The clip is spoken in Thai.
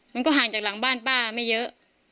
มันก็ห่างจากหลังบ้านป้าไม่เยอะ